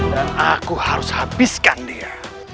dan aku harus habiskan dia